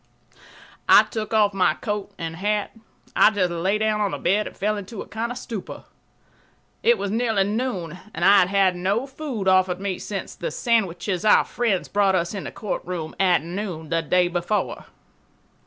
I took off my coat and hat. I just lay down on the bed and fell into a kind of stupor. It was nearly noon and I had had no food offered me since the sandwiches our friends brought us in the courtroom at noon the day before.